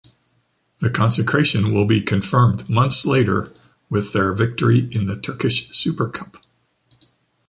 The consecration will be confirmed months later with their victory in the Turkish Super Cup.